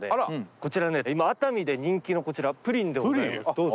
こちらね今熱海で人気のこちらプリンでございますどうぞ。